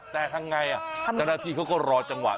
แต่ท่านไงธนาฑิการ์เขาก็รอจังหวะ